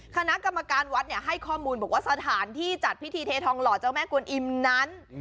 คณะกรรมการวัดให้ข้อมูลบอกว่าสถานที่จัดพิธีเททองหล่อเจ้าแม่กวนอิมนั้น